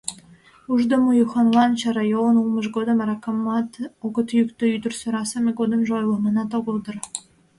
Ушдымо-Юханлан чарайолын улмыж годым аракамат огыт йӱктӧ, ӱдыр сӧрасыме годымжо ойлыманат огыл дыр.